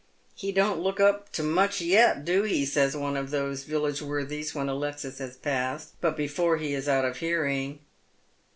" He don't look up to much yet, do he ?" says one of those village worthies when Alexis has passed, but before he is out of hearing.